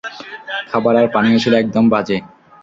খাবার আর পানীয় ছিলো একদম বাজে।